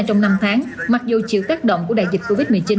trong năm tháng mặc dù chịu tác động của đại dịch covid một mươi chín